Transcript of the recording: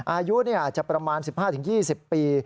อายุอาจจะประมาณ๑๕๒๐ปี